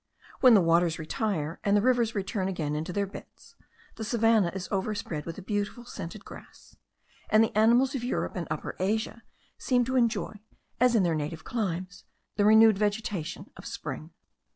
When the waters retire, and the rivers return again into their beds, the savannah is overspread with a beautiful scented grass; and the animals of Europe and Upper Asia seem to enjoy, as in their native climes, the renewed vegetation of spring.